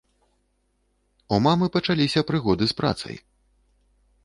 У мамы пачаліся прыгоды з працай.